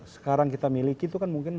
sekarang kita miliki itu kan mungkin